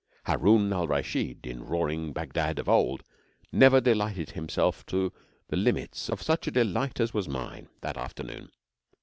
Harun al Raschid, in roaring Bagdad of old, never delighted himself to the limits of such a delight as was mine, that afternoon.